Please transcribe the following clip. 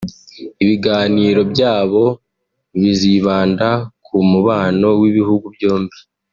Ibiganiro byabo bizibanda ku mubano w’ibihugu byombi